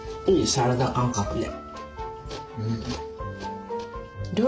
サラダ感覚で。